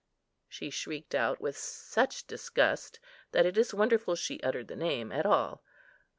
she shrieked out with such disgust, that it is wonderful she uttered the name at all.